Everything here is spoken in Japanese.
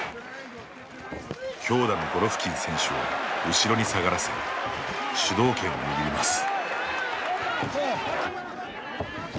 強打のゴロフキン選手を後ろに下がらせ主導権を握ります。